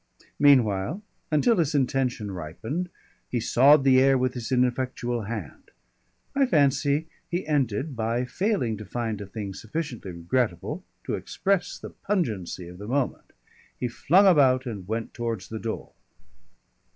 Meanwhile until his intention ripened he sawed the air with his ineffectual hand. I fancy he ended by failing to find a thing sufficiently regrettable to express the pungency of the moment. He flung about and went towards the door.